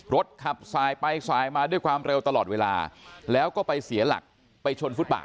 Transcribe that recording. รถขับสายไปสายมาด้วยความเร็วตลอดเวลาแล้วก็ไปเสียหลักไปชนฟุตบาท